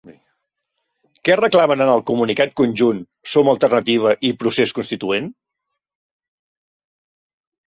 Què reclamen en el comunicat conjunt Som Alternativa i Procés Constituent?